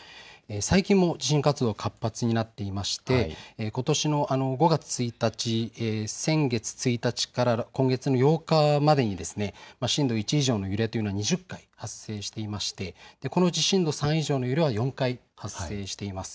最近も地震活動が活発になっていましてことしの５月１日、先月１日から今月の８日までに震度１以上の揺れというのは２０回発生していましてこのうち震度３以上の揺れは４回発生しています。